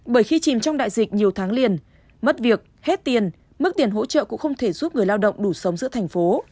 bởi khi chìm trong đại dịch nhiều tháng liền mất việc hết tiền mức tiền hỗ trợ cũng không thể giúp người lao động đủ sống giữa thành phố